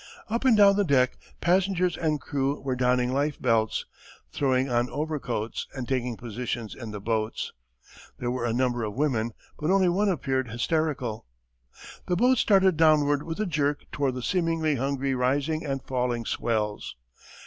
Up and down the deck passengers and crew were donning lifebelts, throwing on overcoats, and taking positions in the boats. There were a number of women, but only one appeared hysterical.... The boat started downward with a jerk toward the seemingly hungry rising and falling swells.